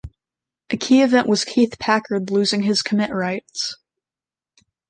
A key event was Keith Packard losing his commit rights.